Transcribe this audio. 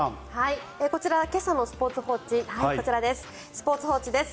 こちらは今朝のスポーツ報知です。